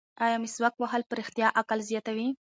ایا مسواک وهل په رښتیا عقل زیاتوي؟